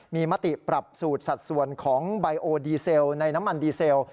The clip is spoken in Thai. มีมติปรับสูตรสัดส่วนของไบโอดีเซลในน้ำมันดีเซล